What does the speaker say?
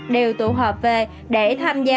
đều tụ hợp về để tham gia